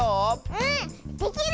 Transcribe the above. うんできる！